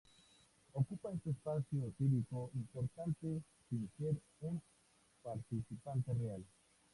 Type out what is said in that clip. Ocupa este espacio cívico importante sin ser un participante real".